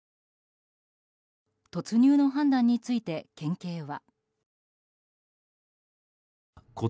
突入の判断について県警は。